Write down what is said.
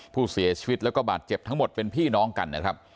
ผู้เสียชีวิตแล้วก็บาดเจ็บทั้งหมดเป็นพี่น้องกันนะครับ